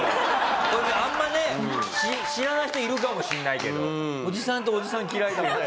これねあんまね知らない人いるかもしれないけどおじさんっておじさん嫌いだから。